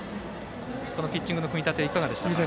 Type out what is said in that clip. ピッチング組み立て、いかがでしたか？